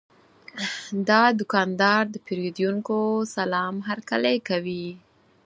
دا دوکاندار د پیرودونکو سلام هرکلی کوي.